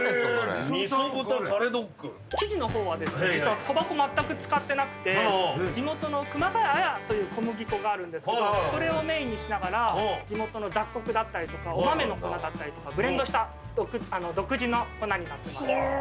生地の方は実はそば粉まったく使ってなくて地元の熊谷あやという小麦粉があるんですけどそれをメインにしながら地元の雑穀だったりとかお豆の粉だったりとかブレンドした独自の粉になってます。